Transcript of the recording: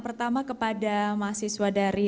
pertama kepada mahasiswa dari